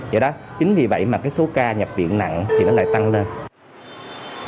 do đó chính vì vậy mà cái số ca nhập viện nặng thì nó lại tăng lên